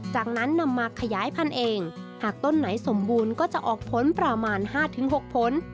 จากนั้นนำมาขยายพันธุ์เองหากต้นไหนสมบูรณ์ก็จะออกผลประมาณ๕๖ผล